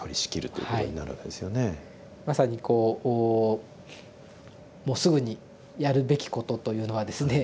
まさにこうもうすぐにやるべきことというのはですね